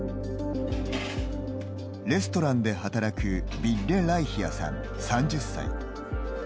レストランで働くヴィッレ・ライヒアさん、３０歳。